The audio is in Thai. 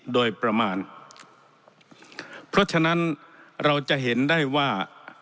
โดยประมาณเพราะฉะนั้นเราจะเห็นได้ว่า